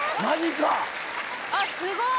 ・あっすごい！